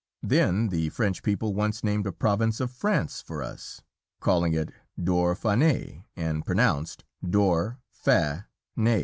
Then the French people once named a province of France for us, calling it Dauphené, and pronounced Dor fa na.